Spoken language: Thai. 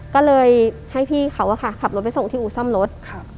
ก็เลยให้พี่เขาอะค่ะขับรถไปส่งที่อุซ่ำรถ